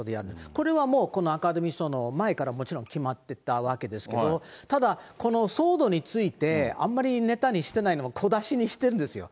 これはもう、このアカデミー賞の前からもちろん決まってたわけですけど、ただ、この騒動について、あんまりネタにしてない、小出しにしてるんですよ。